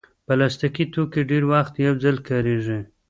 پلاستيکي توکي ډېری وخت یو ځل کارېږي.